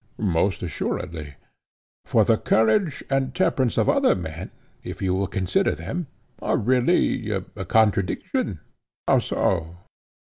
Most assuredly. For the courage and temperance of other men, if you will consider them, are really a contradiction. How so?